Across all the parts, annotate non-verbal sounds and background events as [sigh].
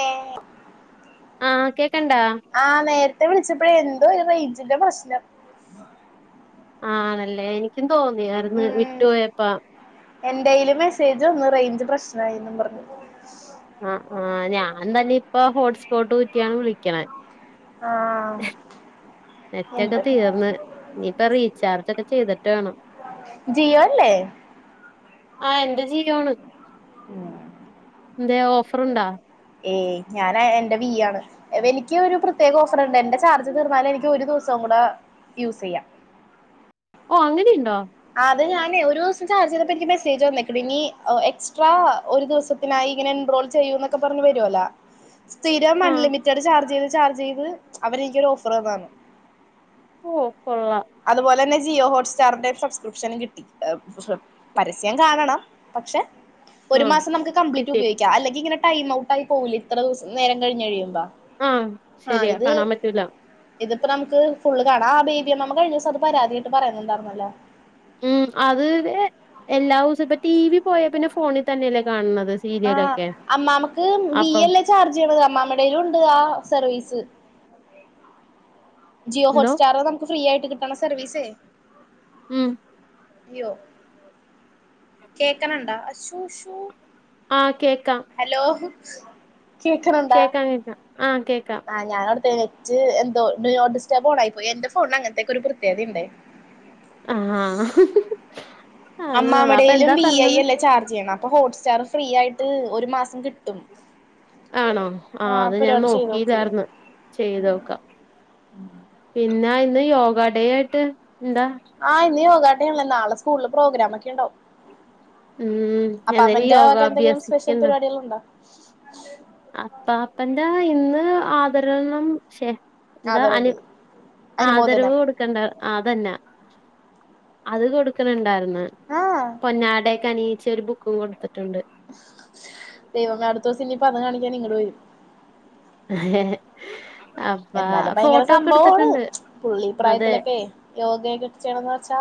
ഏഹ് ആഹ് കേക്കണ്ടാ ആഹ് നേരത്തെ വിളിച്ചപ്പോഴേ എന്തോ റേഞ്ചിന്റെ പ്രശ്നം ആണല്ലേ എനിക്കും തോന്നി വിട്ടു പോയപ്പാ എന്റെ യ്ൽ മെസ്സേജ് വന്ന് റേഞ്ച് പ്രശ്നയി ന്നും പറഞ്ഞു ആഹ് ആഹ് ഞാൻ തന്നെ ഇപ്പ ഹോട്ട്സ്പോട്ട് ഊറ്റിയാണ് വിളിക്കണ ആഹ് നെറ്റൊക്കെ എന്ത് തീർന്ന് ഇനി ഇപ്പ റീചാർജ് ഒക്കെ ചെയ്തിട്ട് വേണം ജിയോ അല്ലെ ആ എന്റെ ജിയോ ആണ് ഉം എന്താ ഓഫർണ്ടാ ഏയ് ഞാന് എന്റെ വീ ആണ് എനിക്ക് ഒരു പ്രത്യേക ഓഫർണ്ട് എന്റെ ചാർജ് തീർന്നാൽ എനിക്ക് ഒരു ദിവസം കൂടെ യൂസ് ചെയ്യാം ഓഹ് അങ്ങനെയുണ്ടോ ആഹ് അത് ഞാനെ ഒരു ദിവസം ചാർജ് ചെയ്തപ്പം എനിക്ക് മെസ്സേജ് വന്നേക്കണ് ഇനി എക്സ്ട്രാ ഒരു ദിവസം പിന്നെ ഇങ്ങനെ എൻറോൾ ചെയ്യൂ എന്നൊക്കെ പറഞ്ഞു വരുവല്ലോ [inaudible] സ്ഥിരം ആഹ് അൺലിമിറ്റഡ് ചാർജ് ചെയ്ത് ചാർജ് ചെയ്ത് അവരെനിക്കൊരു ഓഫർ തന്നതാണ് ഓഹ് കൊള്ളാം അതുപോലെ തന്നെ ജിയോ ഹോട്ട്സ്റ്റാറിന്റെയും സബ്സ്ക്രിപ്ഷൻ കിട്ടി പരസ്യം കാണണം പക്ഷെ ഒരു ആഹ് മാസം നമുക്ക് കംപ്ലീറ്റ് കിട്ടി ഉപയോഗിക്കാം അല്ലെങ്കിൽ ഇങ്ങനെ ടൈം ഔട്ട് പോകൂല്ലേ ഇത്ര ദിവസം നേരം കഴിഞ്ഞ് കഴിയുമ്പ ആഹ് ആഹ് ശരിയാ ഇത് കാണാൻ പറ്റൂല ഇതിപ്പ നമുക്ക് ഫുള്ള് കാണാം ആ [unintelligible] നമക്ക് കഴിഞ്ഞിവസം അത് പരാതിയായിട്ട് പറയുന്നുണ്ടാരുന്നല്ലോ ഉം അത് എല്ലാ ദിവസോം ഇപ്പം ടി വി പോയാ പിന്നെ ഫോണിൽ തന്നെയല്ലേ കാണുന്നത് ആഹ് സീരിയലൊക്കെ അമ്മാമ്മക്ക് വി അപ്പൊ- അല്ലേ ചാർജ് ചെയ്യണ അമ്മാമ്മടെലും ഉണ്ട് ആ സർവീസ് ജിയോ എന്തോ ഹോട്ട്സ്റ്റാർ നമുക്ക് ഫ്രീ ആയിട്ട് കിട്ടണ സർവീസേ ഉം യ്യോ കേൾക്കണണ്ടാ അശോ ശോ ആഹ് കേക്കാം ഹലോ കേക്കാ കേക്കാം ആഹ് കേക്കാം ഞാൻ ഓർത്തെ നെറ്റ് എന്തോ ഡു നോട്ട് ഡിസ്റ്റർബ് ഓണായി പോയി. എന്റെ ഫോണിന് അങ്ങനത്തേക്ക ഒരു പ്രത്യേകതയുണ്ടേ ആഹ് ആഹ് അത് കൊള്ളാം അപ്പൊ അമ്മാമ്മടെലും എന്താ വി ഐ പറഞ്ഞത് അല്ലേ ചാർജ് ചെയ്യണ അപ്പൊ ഹോട്ട് സ്റ്റാർ ഫ്രീ ആയിട്ട് ഒരു മാസം കിട്ടും ആണോ ആഹ് അത് ഞാൻ പരിപാടി ചെയ്തോക്ക് നോക്കിയില്ലാർന്ന് ചെയ്ത് നോക്കാം പിന്നെ ഇന്ന് യോഗ ഡേ ആയിട്ട് എന്താ ആഹ് ഇന്ന് യോഗാ ഡേല്ലേ നാളെ സ്കൂളില് പ്രോഗ്രാം ഒക്കെ ഉണ്ടാകും ഉം എന്തേലും അപ്പാപ്പന്റെ യോഗ വക എന്തെങ്കിലും സ്പെഷ്യൽ അഭ്യസിക്ക്ണ്ടോ പരിപാടികൾ ഉണ്ടോ? അപ്പാപ്പന്റെ ഇന്ന് ആദരവൊന്നും ശെ ആദരവ് ആദരവ് അനുമോദനം കൊടുക്കണ്ട, അതന്നെ, അത് കൊടുക്കണണ്ടായിരുന്നു. ആഹ് പൊന്നാടയൊക്കെ അണിയിച്ച് ഒരു ബുക്കും കൊടുത്തിട്ടുണ്ട് ദൈവമേ അടുത്തൂസം ഇനീപ്പോ അതും കാണിക്കാൻ ഇങ്ങട് വരും. ഏഹ് എന്നാലും ഭയങ്കര സംഭവാണ്, പുള്ളീ അതെ പ്രായത്തിലൊക്കെ യോഗയൊക്കെ ചെയ്യണംന്ന് വെച്ചാ.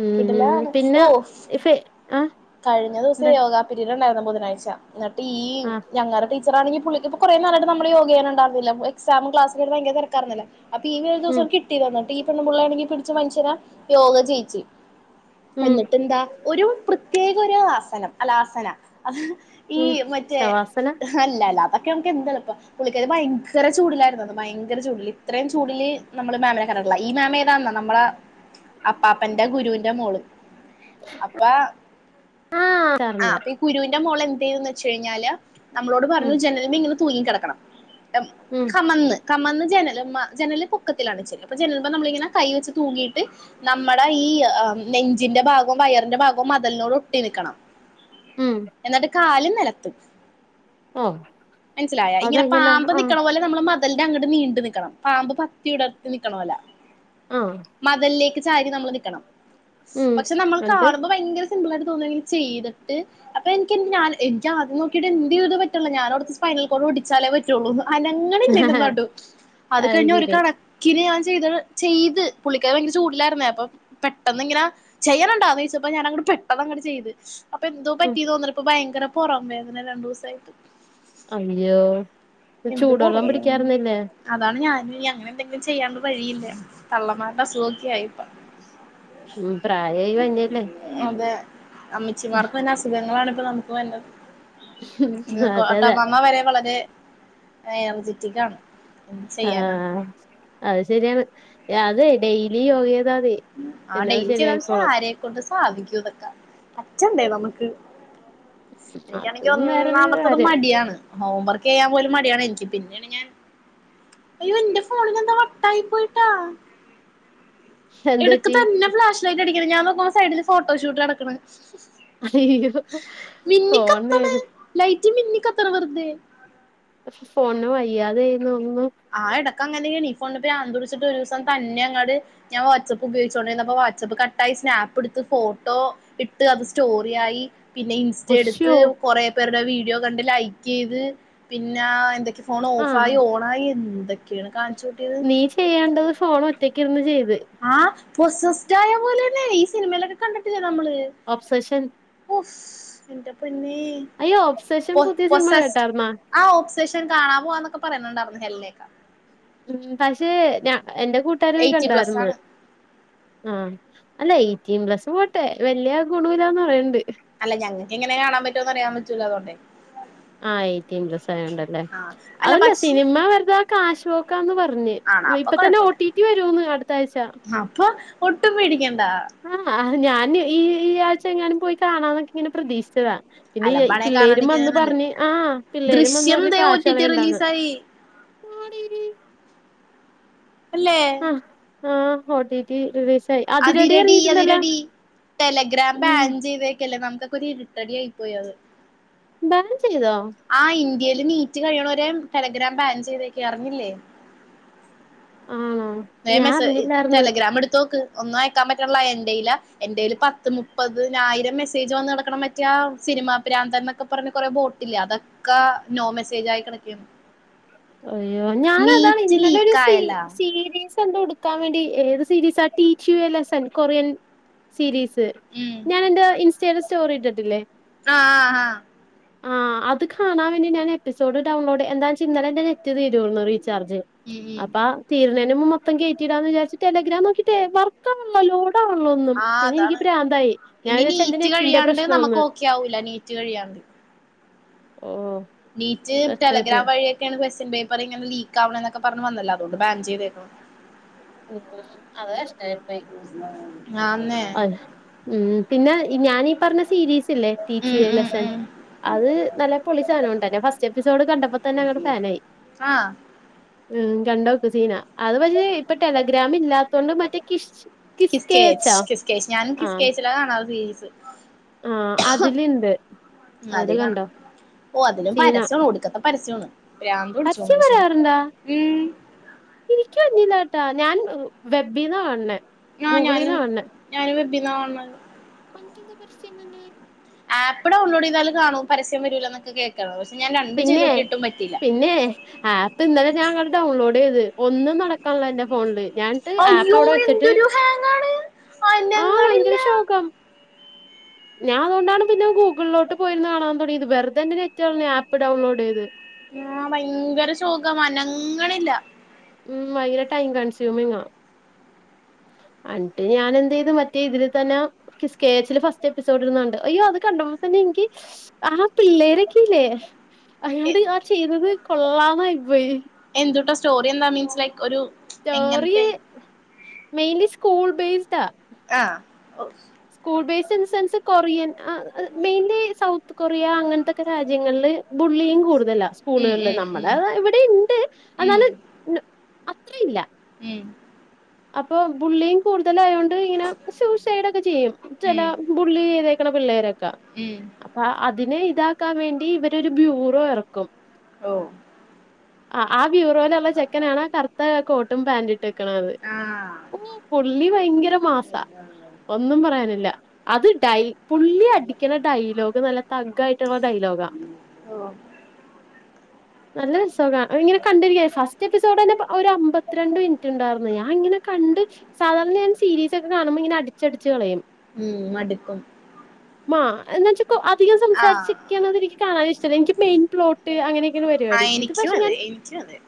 ഉം കിടിലാണ് പിന്നെ ഓഹ് ഫെ ആഹ് കഴിഞ്ഞ ദിവസെ എന്താ യോഗ പിരീട് ഉണ്ടായിരുന്ന് ബുധനാഴ്ച എന്നിട്ട് ഈ ആഹ് ഞങ്ങടെ ടീ ടീച്ചറാണെങ്കിൽ പുളളിക്കിപ്പോ കുറെ നാളായിട്ട് നമ്മള് യോഗ ചെയ്യണുണ്ടായിര്ന്നില്ല എക്സാമും ക്ലാസ്സ്ക്കെ ആയിട്ട് ഭയങ്കര തെരകായ്ര്നില്ലെ. അപ്പൊ ഈ ഒരു ഉം ദിവസം കിട്ടിയത് വന്നിട്ട് ഈ പെണ്ണുംപിള്ളാണെങ്കി പിടിച്ച് മനുഷ്യനെ യോഗ ചെയ്യിച്ച്. ഉം എന്നിട്ടെന്താ ഒരു പ്രത്യേക ഒരു ആസനം, അല്ല ആസന. ഈ ഉം മറ്റേ ശവാസന അല്ലല്ല അതൊക്കെമുക്ക് എന്ത്ള്പ്പം പുള്ളിക്കാരി ഭയങ്ക ങ്കര ചൂട്ലായിര്ന്നന്ന്, ഭയങ്കര ചൂട്ല്, ഇത്രേം ചൂടില് നമ്മള് മാമിനെ കണ്ടിട്ടില്ല. ഈ മാമേതാന്ന നമ്മള അപ്പാപ്പന്റെ ഗുരൂന്റെ മോള്. അപ്പാ ആ ആഹ് അറിഞ്ഞ് അപ്പൊ ഈ ഗുരൂന്റെ മോള് എന്തേന്ന് വെച്ചഴ്ഞ്ഞാല്. നമ്മളോട് ഉം പറഞ്ഞ് ജനല്മെങ്ങനെ തൂങ്ങി കെടക്കണം ഉം കമന്ന്. കമന്ന് ജനല്മ്മെ ജനല് പൊക്കത്തിലാണ് വെച്ചേക്കണത്, അപ്പ ജനല്മെ നമ്മള്ങ്ങനെ കൈവെച്ച് തൂങ്ങീട്ട് നമ്മടെ ഈ നെഞ്ചിന്റെ ഭാഗും വയറിന്റെ ഭാഗും മത്ൽനോട് ഒട്ടി നിക്കണം ഉം എന്നിട്ട് കാല് നിലത്ത് ഓ മൻസ്സിലായാ ഇങ്ങനെ അതെങ്ങനെ പാമ്പ് ആ നിക് അതുപോലെ നമ്മള് മതിലിന്റെങ്ങട് നീണ്ട് നിക്കണം പാമ്പ് പത്തി വിടർത്തി നിക്കക്കണപോലെ ആ മതിൽലേക്ക് ചാരി നമ്മൾ നിക്കണം. ഉം പക്ഷെ നമ്മൾ എന്നിട്ട് കാണുമ്പോ ഭയങ്കര സിമ്പിളായിട്ട് തോന്നാണെങ്കി ചെയ്തിട്ട് അപ്പൊ എനിക്ക്ൻത് ഞാഎനിക്ക് ആദ്യം നോകീട്ട് എന്തെയ്തിട്ടുംപറ്റ്ണില്ല ഞാനോർത് ഫൈനൽ കോട്പൊട്ടിച്ചാലെ പറ്റൊള്ളൂന്ന്. അനങ്ങ്ണ്ല്ലൻ്റ നടു. അത് കഴിഞ്ഞ് ഒരു കണ കി ഞാൻ ചെയ്തത് ചെയ്ത് പുള്ളളിക്കാരി ഭയങ്കര ചൂടലായ്ര്ന്നേ അപ്പൊ പെട്ടെന്നിങ്ങനെ ചെയ്യണ്ണ്ണ്ടാനോയ്ച്ചപ്പൊ ഞാനങ്ങട്ട് പെട്ടന്ന്ങ്ങട്ട് ചെയ്ത് അപ്പൊ എന്തോ ഉം പറ്റി തോന്ന്ണിപ്പോ ഭയങ്കര പൊറം വേദന രണ്ടൂസായിട്ട്. അയ്യോ എന്ത് ചൂടൊള്ളം പറയാ പിടിക്കാർന്നില്ലേ? അതാണ് ഞാനുംഞിങ്ങനെ എന്തെങ്കിലും ചെയ്യാതെ വഴിയില്ല, തള്ളമാരുടെ അസുഖൊക്കെ ആയിപ്പ ഉം പ്രായായി വര്ന്നല്ലേ അതെ അമ്മച്ചിമാർക്ക് വര്ന്ന അസുഖങ്ങളാണ് ഇപ്പൊ നമുക്ക് വര്ന്നത്. അതെ അതെ ട്ടമാമ്മവരെ വളരെ എനർജെറ്റിക് ആണ് എന്ത് ചെയ്യാനാ ആഹ് അയ്ശര്യാണ്. അതെ ഡെയ്ലി യോഗെയ്താതി ആ ഡെയ്ലി ചെയ്തക്ഷെ ആരെക്കൊണ്ട് സാധിക്കുംതൊക്കെ. പറ്റണ്ടേ നമക്ക് എനിക്കാണെങ്കിൽ അതും വേറൊരു ഒന്നാമത്തത് കാര്യം മടിയാണ്. ഹോം വർക്ക് ചെയ്യാപോലും മടിയാണ് എനിക്ക്, പിന്നൈണ് ഞാൻ അയ്യോന്റെ ഫോണിനെന്താ വട്ടായി പോയ്ട്ടാ എന്ത് എട്ക്ക് പറ്റി തന്നെ ഫ്ലാഷ് ലൈറ്റ് അടിക്ക്ണ്. ഞാനോക്കുമ്പോ സൈഡിൽ ഫോട്ടോഷൂട്ട് നടക്ക്ണ്. അയ്യോ ഫോണേത് ലൈറ്റ്മിന്നികത്ത്ണ് വെർതെ. ഫോണിന് വയ്യാതായിതോന്ന്ണു ആ എടക്കങ്ങനേണീഫോണിന് ഭ്രാന്തുട്ചിട്ട് ഒരൂസം തന്നെ അങ്ങട് ഞാവാട്സപ്പ് ഉപയോഗിച്ചോണ്ടിര്ന്നപ്പൊ വാട്സപ്പ് കട്ടായി സ്നാപ്പ്ടുത്ത് ഫോട്ടോ ഇട്ട് അത് സ്റ്റോറിയായി പിന്നെ ഇൻസ്റ്റടുത്ത് അശ്യോ കുറേ പേരുടെ വീഡിയോ കണ്ട് ലൈക്കയ്ത് പിന്നെ എന്തൊക്കെ ഫോൺ ആ ഓഫായി ഓണായി എന്തൊക്കെയാണ് കാണ്ച നീ ചെയ്യേണ്ടത് ഫോണ് ഒറ്റക്കിരുന്ന് ചെയ്ത്. ആഹ് പ്രൊസസ്യറ്റാ പോലൈണ്. ഈ സിനിമയിലൊക്കെ കണ്ടിട്ടില്ലേമ്മള്. ഓബ്ഫെഷൻ. ഓഫ് ന്റെ പൊന്നേ അയ്യ് ഓബ്സെഷൻ പുതിയ സിനിമ കേട്ടാര്ന്നാ? ആഹാ ഓ്ബ്സെഷൻ കാണാ പോവാന്നൊക്കെ പറയുന്നുണ്ടായിര്ന്ന് ഹെൽനേക്ക ഉം പക്ഷെ ഞാ എൻ്റെ കൂട്ടേര് പോയ് എയ്റ്റി പ്ലസ് കണ്ടായിര്ന്ന് ആണ് ആഹ അല്ല എയ്റ്റീൻ പ്ലസ് പോട്ടെ വലയ ഗുണമില്ലാന്ന് പറയണ്ട് അല്ല ഞങ്ങൾക്ക് എങ്ങനെയെ കാണാൻ പറ്റുമോന്ന് അറിയാൻ പറ്റൂ അതോണ്ടണ്ട് ആ എയ്റ്റീൻ പ്ലസ്സ ആയോണ്ടല്ലേ അല്ല അതല്ല പക്ഷെ സിനിമ വെുത കാശ്പോക്കാന്ന് പഞ്ഞ് ആണോ അപ്പൊ ഇപ്പൊ തന്നെ ഓ ടി പിവരൂന്ന് അടുത്ത ആഴ്ച അപ്പ ഒട്ടും പെടിക്കേണ്ടാ അഹ ഞാൻ ഈ ഈ ആഴ്ച എങ്ങാനും പോയി കാണാ എന്നൊക്കെ ഇങ്ങനെ പ്രതീക്ഷിച്ചതാ പിന്നെ അലമ്പാണെ പിള്ളേരും വന്ന് കാണാണ്ടിരിക്കുന്നത് നല്ലത് പറഞ്ഞ് ആഹ് പിള്ളേരും വന്ന് ദൃശ്യം പറഞ്ഞ് ദേ ഒ ടി ടി കാശളയണ്ടാന്ന് റിലീസായി [unintelligible] അല്ലേ ആഹ് ആഹ് ഹോട്ടിറ്റി റിലീസായി അത് റെഡി അതിരടി ഇറങ്ങിട്ടുണ്ടല്ലോ അതിരടി ടെലഗ്രാം ബാൻ ചെയ്തക്കല്ലേ നമുക്ക്ക്ക ഒരു ഇരിട്ടടി ആയി പോയി അത് ബാൻ ചെയ്തോ ആഹ് ഇന്ത്യയിൽ നീറ്റ് കഴിയണ വരെ ടെലഗ്രാം ബാൻ ചെയ്തക്കി അറിഞ്ഞില്ലേ ആണോ വേം ഞാൻ മെസ്സ് അറിഞ്ഞില്ലാർന്ന് ടെലഗ്രാം എടുത്തോക്ക് ഒന്നും അയക്കാൻ പറ്റുള്ള എന്റെൽ എന്റെയില്ൽ പത്ത് മുപ്പതിനായിരം മെസ്സേജ് വന്നടക്ക്ണ് ണ്ട് സിനിമാ പ്രാന്ത്‌ന്നൊക്കെ പറഞ്ഞ കൊറെ ബോട്ടില്ലെ അതൊക്കെ നോ മെസ്സേജ ആയി കേടാക്കേണ് അയ്യോ ഞാാനതാണ് ഇന്നലെ ഒരു സീ ലീക്കായല്ലാ സീരീസ് എന്തോ എടുക്കാൻ വേണ്ടി ഏത് സീരീസ് ആ teach you a lesson Korean series ഉം ഞാൻ എന്റെ ഇൻസ്റ്റയിൽ സ്റ്റോറി ഇട്ടിട്ടില്ലേ ആഹ് ആഹ് ആഹ് ആഹ് അത് കാണാൻവേണ്ടി ഞാൻ എപ്പിസോഡ് ഡൗൺലോഡ് എന്താ ച്ചാന്നാലെ നെറ്റ് തീരു ന്ന് റീചാർജ് ഉം ഉം അപ്പ തീർനേന് മൊത്തം കെറ്റിടാന്ന് വിചാരിച്ച് ടെല്രാം നോക്കി ട്ടെ വർകാവണ്ല്ല ലോഡാ ലോടവ്ണില്ല ഒന്നും ആഹ് പിന്നെ എനിക്ക് അതാണ് പ്രാന്തായി ഞാൻ ഇനി വിച്ചാര്ച്ചു എന്റെ നീറ്റ് നെറ്റിന്റെ കഴിയാണ്ട് പ്രശ്ന നമുക്ക് ന്ന് ഓക്കെ ആവൂല നീറ്റ് കഴിയാണ്ട് ഓഹ് നീറ്റ് ടെലഗ്രാം വഴിയെ ടെലിഗ്രം വഴി ക്വസ്റ്റൻ പേപ്പർ ഇങ്ങെ ലീക്ക് ആവണ എന്നൊ ക്കെ പറഞ്ഞ് വന്നല്ല അതുകൊണ്ട് ബാൻ ചെയ്തെക്കും ഉം അതെ നഷ്ടയിപോയി ആന്നേ ഉം പിന്നെ ഞാനീ പറഞ്ഞ സീരീസ്ല്ലേ ടിച് ഉം എ ഉം ലസൻ ഉം അത് നല്ല പൊളി സാധനണ് ട്ടോ ഞാന് ഫസ്റ്റ് എപ്പിസോഡ് കണ്ടപ്പോ തന്നെ അങ്ങടെ ഫാനായി ആഹ് ഉം കണ്ടോക്ക് സീന അത് പക്ഷേ ഇപ്പൊ ടെലഗ്രാാ ഇല്ലാത്ത കൊണ്ട് മറ്റക്കെ കിഷ് കിസ്കേച്ച് കിസ്കേച്ചാ കിസ്കേച്ച് ഞാനും ആഹ് കിസ്കേച്ചില കാണാർ സീരീസ് ആഹ് അതില് ഇണ്ട് അതില് കണ്ടോ ഓഹ് അതിലും സീന പരസ്യണ് ഉടുക്കത്ത പരസ്യമാണ് പ്രാന്തടിച്ച പരസ്യം മനുഷ്യന് ഉം എനിരിക്കും വന്നില്ലാട്ടാ ഞാൻ വെബീന്ന കാണണേ ആ ഗൂഗിളീന്നാ ഞാനും കാണണേ ഞാനും വെബ്ബിന്നാ കാണണെ അനക്കെന്താ പരസ്യം വന്നേ ആപ്പ് ഡൗൺലോഡ് ചെയ്താൽ കാണും പരസ്യം വരൂല്ല ന്നൊക്കെ കേൾക്കാണ് പക്ഷ ഞൻ രണ്ട് ചെയ്തോ പിന്നെ ക്കിട്ടും പറ്റില്ല പിന്നെ ആപ്പ് ഇന്നലെ ഞാന് അങ്ങട് ഡൗൺലോഡ് ചെയ്ത് ഒന്നും നടക്കാനല്ലോ എന്റെ ഫോണില് ഞാൻ ന്നിട്ട് ആപ്പ അയ്യോ വിടെ വെച്ചിട്ട് എന്തൊരു ഹാങ്ങാണ് ആഹ് അനങ്ങണില്ല ഭയങ്കര ശോകം ഞാൻ അതൊണ്ടാണ് പിന്നെ ഗൂഗിലോട്ട് പോയിരന്ന് കാണാൻ തോട്‌ങ്യേത് വെറ്തെ ന്റെ നെറ്റകളഞ്ഞു ആപ്പ് ഡൗൺലോഡ് ചെയ്ത് ആഹ് ഭയങ്കര ശോകം അനങ്ങണില്ല ഉം ഭയങ്കര ടൈം കൺസ്യൂമിംങ്ങാ അന്ന്ട്ട് ഞാൻ എന്ത് ചെയ്തു മറ്റേ ഇതിൽ തന്നെ കിസ്കേച്ചില് ഫസ്റ്റ് എപ്പിസോഡ് ഇരുന്നുണ്ട് അയ്യോ അത് കണ്ട്പ തന്നെ ഇനിക്ക് ആ പിള്ളേരൊക്കെ ഇല്ലേ എ അയാട് ആ ചെയ്ത് കൊള്ളാന്നായി പോയി എന്തൂട്ടസ്റ്റോറി എന്താ മീൻസ് ലൈക്ക് ഒരു സ്റ്റോറി എങ്ങനത്തെ മെയിൻലി സ്കൂൾ ബേസ്ഡാ ആഹ് ഓഹ് സ്കൂൾ ബേസ് സെൻസ് കൊറിയൻ ആഹ് ആ മെയിൻലി സൗത്ത് കൊറിയ അങ്ങനത്തെക്കെ രാജ്യങ്ങളിൽ ബുള്ളിങ്ങ് കൂടുതലാ. ഉം സ്കൂളുകളില് ഉം ഉം നമ്മടെ ഇവിടെ ഇൻണ്ട് ഉം ഒരു അത്രില്ല ഉം അപ്പൊ ബുള്ളിങ്ങ് കൂടുതലയോണ്ട് ഇങ്ങനെ സൂസൈഡ് ഒക്കെ ചെയ്യും ചെല ഉം ബുള്ളി ചെയ്തേക്കണ പിള്ളേരൊക്കെ ഉം അപ്പ അതിന് ഇതാക്കാൻ വേണ്ടി ഇവരോരു ബ്യൂറോ എറക്കും ഓഹ്. ആഹ്, ആ ബ്യൂറോയിലുള്ള ചെക്കനാണ്, ആ കറുത്ത കോട്ടും പാന്റും ഇട്ടെക്കണത്. ആഹ് പുള്ളി ഭയങ്കര മാസാ ഒന്നും പറയാനില്ല അത് ഡൈ പുള്ളി അടിക്കണേ ഡയലോഗ് നല്ല തഗ് ആയിട്ടൊള്ളെ ഡയലോഗാ. ഓ [inaudible] നല്ല രസ കാ അതിങ്ങനെ കണ്ടിരിക്ക ഫസ്റ്റ് എപ്പിസോഡ്നെ ഒര അമ്പത്തിരണ്ട് മിൻറ്റ് ഇണ്ടാർന്ന് ഞാൻ ഇങ്ങനെ കണ്ട് സാധാരണ ഞാൻ സീരീസൊക്കെ കാണുമ്പോ ഇങ്ങനെ അടിച്ചടിച്ച് കളയും. ഉം മടുക്കും. മ്മ എന്നാ വെച്ചാ ഇപ്പം അധികം ആഹ് സംസാരിച്ചൊക്കെയാണ് അത് എനിക്ക് കാണാൻ ഇഷ്ടല്ല എനിക്ക് മെയിൻ പ്ലോ ട്ട് അങ്ങനൊക്കെയാണ് പരിപാടി ഇത് പക്ഷെ ഞാൻ പിച്ച അതെ.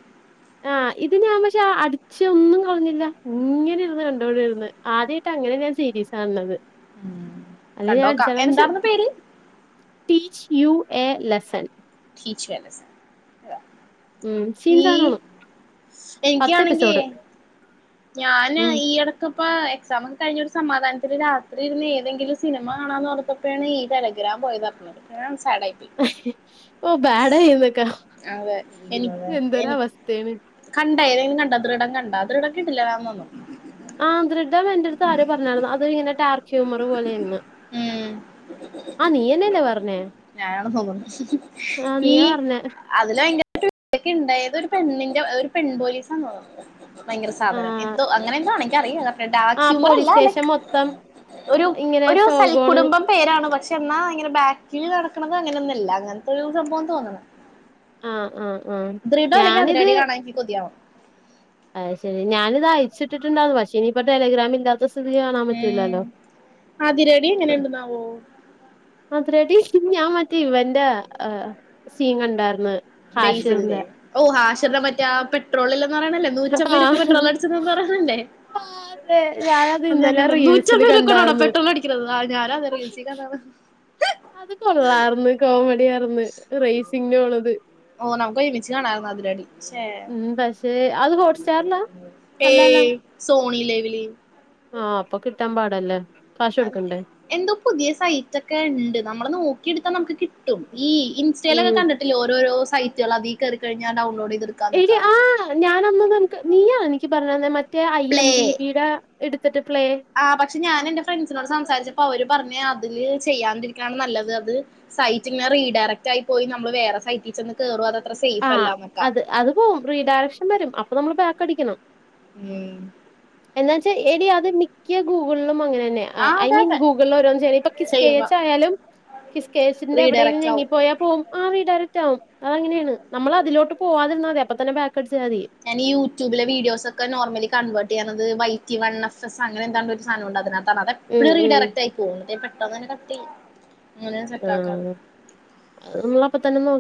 ആഹ് ഇത് ഞൻ പക്ഷെ അടിച്ച് ഒന്നും കളഞ്ഞില്ല. ഇങ്ങനെ ഇരുന്ന് കണ്ടോടെ ഇരിന്ന്, ആദ്യയിട്ട ങ്ങനെ ഞാൻ സീരീസ് കാൻണത്. അല്ല ഞാൻ കണ്ടോക്കാം ചെലപഷു എന്താർന്ന് പേര് teach you a lesson. Teach വേമസൻ അതാ ഉം, സീൻകാണോള്ളൂ. എനിക്കാണെങ്കി ഞാന് ഉം ഈയിട ക്ക്പ്പോ എക്സാം ഒക്കെ കഴിഞ്ഞ ഒരു സമാധാനത്തില് രാത്രി ഇരുന്ന് ഏതെങ്കിലും സിനിമ കാണാന്ന് പറ അപ്പോ പിന്നെ ഈ ടെലഗ്രാം പോയത് അപ്പൊ ഞാൻ സാട് ആയി. ഓ ബാഡഇരുന്നേക്കെ അതെ എനി എന്തരു എനി അവസ്ഥയാണ്. കണ്ട ഏതെങ്കിലും കണ്ട ദൃടം കണ്ടാ? ദൃടം കിടില്ലാന്ന് തോന്ന്. ആഹ് ദൃടം എന്റെ അടുത്ത് ആരോ പറഞ്ഞാരുന്നു, അത് ഇങ്ങനെ ടാർക്ക് ഹ്യൂമർ പോലെണെന്ന്. ഉം ആഹ് നീയന്നെല്ലേ പറഞ്ഞേ, ഞാനാണ് ആഹ് നീയാ പറഞ്ഞെ. അതില് ഭയങ്കര [unintelligible] ക്കേ ണ്ടായത് ഒരു പെണ്ണിന്റെ ഒരു പെൺ പോലീസാന്ന് തോന്ന [unintelligible] ഭയങ്കര ആ സാധനം എന്തോ അങ്ങനെ എന്തോ എനക്ക് അറിയാം അതൊക്കെ ഡാക്ക് ഹ്യൂമർ അല്ലാ ലൈക്ക് തം. ഒരു ഒരു സൽക്കുടുംബം പേരാണ് പക്ഷെ എന്നാ ഇങ്ങനെ ബാക്കിൽ നടക്കണത് അങ്ങനെയൊന്നുല്ല, അങ്ങൻത്തെ ഒരു സംഭവാന്ന് തോന്നണ്. ആ ആ ആ ദൃടം അല്ലെങ്കി ഞാനിത് അതിരടി കാണാൻ എനിക്ക് കൊതിയാവ്നു. അത് ശരി, ഞാനിത് അയച്ചിട്ടിട്ട്ണ്ടാവും പക്ഷെ ഇനിയിപ്പ ടെലഗ്രാം ഇല്ലാത്ത സ് സ്ഥിതിക്ക് കാണാൻ ഉം. പറ്റൂലല്ലോ അതിരടി അത് എങ്ങനെയുണ്ടെന്നാവോ അതിരടി ഞാൻ മറ്റേ ഇവന്റെ ആ സീൻ കണ്ടാർന്ന്. ബേസിലിന്റെ ഓഹ് ഹാഷിറിനെ മറ്റേ ആ പെട്രോളില്ലന്ന് പറയണല്ലേ? ആ നൂറ്റമ്പത് രുപക്ക് പെട്രോലടിച്ചത് പറയണതല്ലേ? ആ, അതെ ഞാനത് അത് ഞാ ഇന്നലെ ങ്ങണ്ട റീൽസില് നൂറ്റമ്പരൂപക്കണോടാ കണ്ടാർന്ന് പെട്രോള അടിക്കുന്നത് ആ ഞാനത് റീൽസിൽ കണ്ടതാ. അത് കൊള്ളാർന്ന് കോമഡിയാർന്ന് റേസിങ്ങിനൊള്ളത്. ഓ നമുക്ക് ഒരുമിച്ച് കാണായിരുന്നു അതിരടി ശേ ഉം പക്ഷേ അത് ഹോട്ട്സ്റ്റാർലാ? അല്ലാല്ലോ. സോണീ ലൈവില്. ആഹ് അപ്പൊ കിട്ടാൻ പാടല്ലേ. കാശ് കൊടുക്കണ്ടേ എന്തോ പുതിയ സൈറ്റ് ഒക്കെ ണ്ട് ഞമ്മള് നോക്കിയെടുത്താ നമുക്ക് കി ട്ടും ഈ ഇൻസ്റ്റയിലൊക്കെ ഉം കണ്ടിട്ടില്ലേ ഓരോരോ സൈറ്റാള് അതി കേറി കഴിഞ്ഞാൽ ഡൗൺലോഡ് ചെയ്തെടുക്കാന്നക്കാ. ഞാനന്നത് എൻക്ക് നീയാ എനിക്ക് പറഞ്ഞന്നേ മറ്റേ ഐ എം ഡി ബിയുടെ എടുത്തിട്ട് പ്ലേ ആഹ് പക്ഷെ ഞാൻ എൻറെ ഫ്രണ്ട്സിനോട് സംസാരിച്ചപ്പോ അവര് പറഞ് അതില് ചെയ്യാൻണ്ടിരിക്കാണ് നല്ലത് അത് സൈറ്റിങ്ങനെ റീഡയറക്റ്റ് ആയി പോയി നമ്മള് വേറെ സൈറ്റീ ചന്ന് കേറും അത് അത്ര സേഫ് ആഹ് അല്ലാന്നോക്കെ. അത് അത് പോവും റീഡയറക്ഷൻ വരും അപ്പൊ നമ്മള് ബാക്കടിക്കണം. ഉം എന്നാ വച്ചാൽ എടീ അത് മിക്ക ഗൂഗിൾലും അങ്ങനെ തന്നെയാ. ആ ഐ അതെ മീൻ അതെ ഗൂഗിൾള് ഓരോന്ന് ചെയ്യ ഇപ്പൊ കിസ് കെ ചെയ്യുക എച്ച ആയാലും കിസ്കേഴ്സിന്റെ എവടെലും റീഡയറക്റ്റ് ആവും ഞങ്ങിപ്പോയാ പോകും. ആഹ് റീഡയറക്റ്റ് ആകും അത് അങ്ങനെയാണ് നമ്മൾ അതിലോട്ട് പോവാതിരുന്ന മതി അപ്പ തന്നെ ബാക്ക് അടിച്ചാൽ മതി ഞാൻഈ യൂട്യൂബിലെ വീഡിയോ ഒക്കെ നോർമല കൺവേർ് ചെയ്യണുന്നത് Y T one F S അങ്ങന എന്താ ഒരു സാധമുണ്ട് അതിനകത്ത് കാരണം ഉം അതെപ്പഴും ഉം റീഡയറക്ട് ആയി പോകും പെട്ടെന്നു തന്നെ കട്ട്‌ ചെയ്യും അങ്ങനെ സെറ്റ് ആക്കാറ് ആഹ് അത്നമ്മള അപ്പ തന്നെ നോ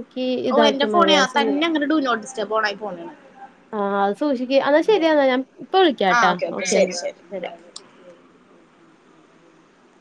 ഓ എന്റെ ഫോണ തന്നെ അങ്ങനെ ഡു നോട്ട് ഡിസ്ട്രബ് ഓൻ ആയി പോവുന്നുണ്ട് ആഹ് അത് സൂക്ഷിക്ക എന്നാ ശരിയാ ഞാൻ ഇപ്പ വിളിക്കാംട്ടാ ഓക്കെ ശരി [unintelligible]